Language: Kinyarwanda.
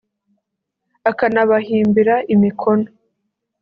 akanabahimbira imikono